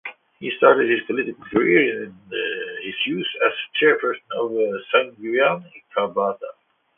He started his political career in his youth as chairperson of Sangguniang Kabataan.